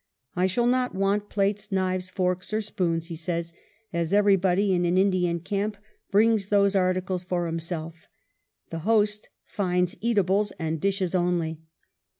"I shall not want plates, knives, forks, nor spoons," he says, "as everybody in an Indian camp brings those articles for himself; the host finds eatables and dishes only."